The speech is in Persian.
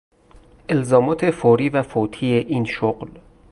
الزامات فوری و فوتی این شغل